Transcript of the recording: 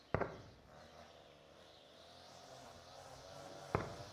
কেন সে বিনয়বাবুকে বার বার এমন করিয়া খোঁচা দিতেছে এবং নিজে ব্যথা পাইতেছে?